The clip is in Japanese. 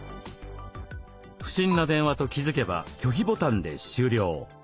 不審な電話と気付けば拒否ボタンで終了。